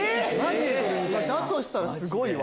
だとしたらすごいわ。